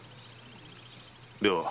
では